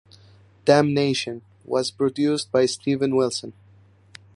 "Damnation" was produced by Steven Wilson.